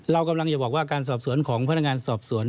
เรากำลังจะบอกว่าการสอบสวนของพนักงานสอบสวน